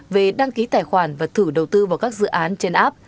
về đăng ký tài khoản và thử đầu tư vào sân bay long thành